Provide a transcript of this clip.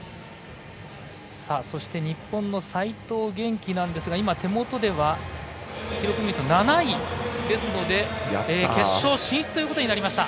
日本の齋藤元希ですが手元では７位ですので決勝進出ということになりました。